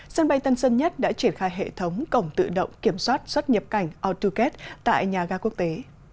sân bay tân sơn nhất đã triển khai hệ thống cổng tự động kiểm soát xuất nhập cảnh autocate tại nhà ga quốc tế